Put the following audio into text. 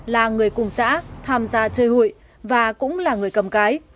là người cùng xã tham gia chơi hụi và cũng là người cầm cái